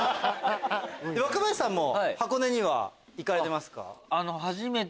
若林さんも箱根には行かれてますか？